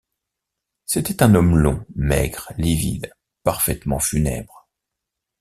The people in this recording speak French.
C’était un homme long, maigre, livide, parfaitement funèbre.